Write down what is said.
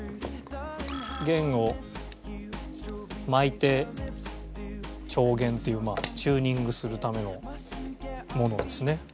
弦を巻いて調弦っていうチューニングするためのものですね。